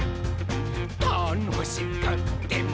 「たのしくっても」